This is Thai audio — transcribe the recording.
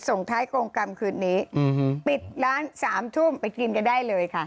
ส่งท้ายกรงกรรมคืนนี้ปิดร้าน๓ทุ่มไปกินกันได้เลยค่ะ